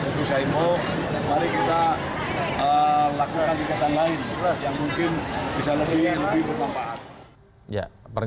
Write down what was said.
untuk saya imu mari kita lakukan kegiatan lain yang mungkin bisa lebih berpengaruh